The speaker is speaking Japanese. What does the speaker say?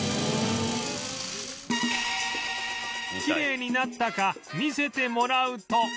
きれいになったか見せてもらうと